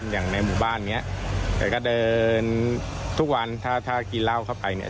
อย่างในหมู่บ้านเนี้ยแต่ก็เดินทุกวันถ้าถ้ากินเหล้าเข้าไปเนี่ย